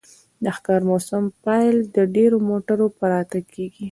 د ښکار موسم پیل د ډیرو موټرو په راتګ کیږي